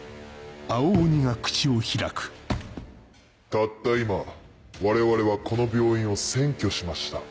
たった今我々はこの病院を占拠しました。